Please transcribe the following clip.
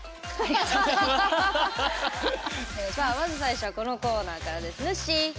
さあまず最初はこのコーナーからです。